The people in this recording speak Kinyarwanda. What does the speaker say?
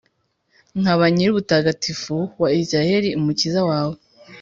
nkaba Nyir’ubutagatifu wa Israheli, Umukiza wawe.